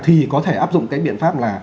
thì có thể áp dụng cái biện pháp là